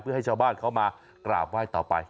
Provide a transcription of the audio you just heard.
เพื่อให้ชาวบ้านเขามากราบไหว้ต่อไป